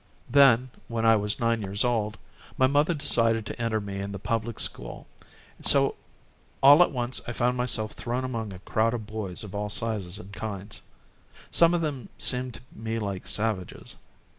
Then, when I was nine years old, my mother decided to enter me in the public school, so all at once I found myself thrown among a crowd of boys of all sizes and kinds; some of them seemed to me like savages.